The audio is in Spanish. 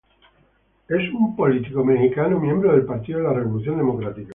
Es un político mexicano, miembro del Partido de la Revolución Democrática.